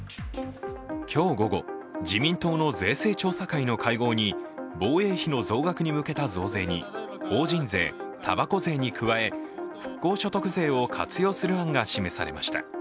今日午後、自民党の税制調査会の会合に、防衛費の増額に向けた増税に法人税、たばこ税に加え復興所得税を活用する案が示されました。